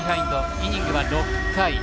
イニングは６回。